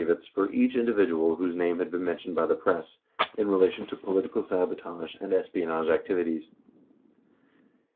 187 vits for each individual whose name had been mentioned by the press in relation to political sabotage and espionage activities.